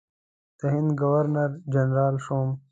د هند ګورنر جنرال شوم.